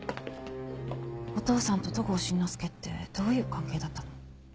お父さんと戸郷慎之介ってどういう関係だったの？